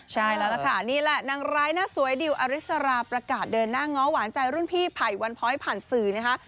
ใช่แล้วล่ะค่ะนี่แหละนางร้ายหน้าสวยดิวอริสราประกาศเดินหน้าง้อหวานใจรุ่นพี่ไผ่วันพ้อยผ่านสื่อนะคะ